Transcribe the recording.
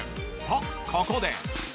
とここで。